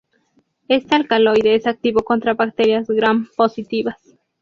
Este alcaloide es activo contra bacterias gram-positivas.